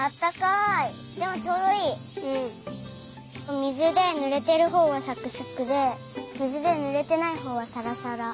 お水でぬれてるほうがサクサクで水でぬれてないほうはサラサラ。